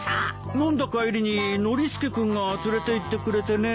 飲んだ帰りにノリスケ君が連れていってくれてね。